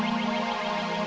tidak ada masalah